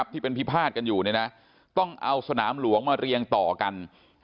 พิพาทกันอยู่ต้องเอาสนามหลวงมาเรียงต่อกัน